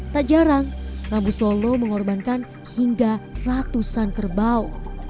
tak jarang rabu solo mengorbankan hingga ratusan kerbau